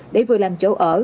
để vừa làm chỗ ở